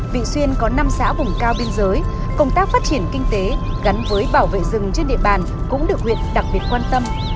vị xuyên có năm xã vùng cao biên giới công tác phát triển kinh tế gắn với bảo vệ rừng trên địa bàn cũng được huyện đặc biệt quan tâm